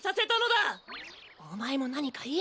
おまえもなにかいえ。